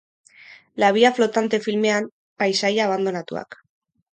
La via flotante filmean paisaia abandonatuak.